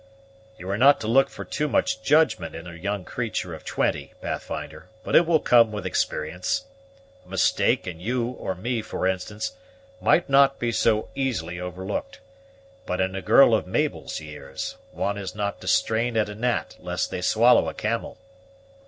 "You are not to look for too much judgment in a young creature of twenty, Pathfinder, but it will come with experience. A mistake in you or me, for instance, might not be so easily overlooked; but in a girl of Mabel's years, one is not to strain at a gnat lest they swallow a camel."